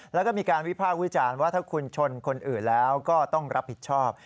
แล้วก็มีการวิพากษ์วิจารณ์ว่าถ้าคุณชนคนอื่นแล้วก็ต้องรับผิดชอบ